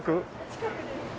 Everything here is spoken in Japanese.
近くです。